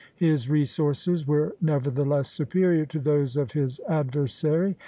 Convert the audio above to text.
His resources were nevertheless superior to those of his adversary.